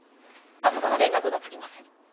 朝から連絡がつきません。